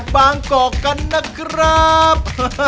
๒๔๙๘บางกอกกันนะครับ